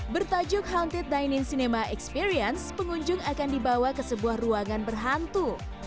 bertajuk hunted dining cinema experience pengunjung akan dibawa ke sebuah ruangan berhantu